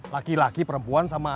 laki laki perempuan sama anak